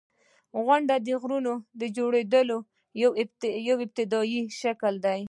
• غونډۍ د غرونو د جوړېدو یو ابتدایي شکل دی.